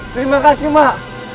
terima kasih mak